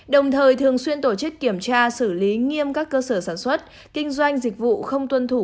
đồng thời thường xuyên tổ chức kiểm tra xử lý nghiêm các cơ sở sản xuất kinh doanh dịch vụ không tuân thủ